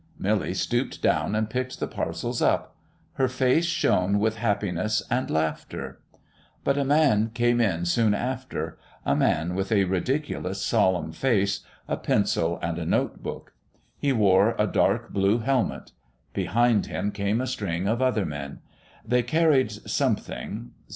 Milly stooped down and picked the parcels up. Her face shone with happiness and laughter.... But a man came in soon after, a man with a ridiculous, solemn face, a pencil, and a notebook. He wore a dark blue helmet. Behind him came a string of other men. They carried something